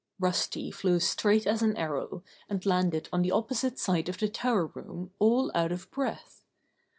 Rusty flew straight as an arrow, and landed on the opposite side of the tower room all out of breath.